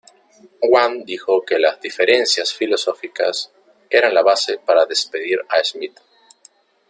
Wang dijo que las "diferencias filosóficas" eran la base para despedir a Smith.